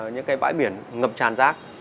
những cái bãi biển ngập tràn rác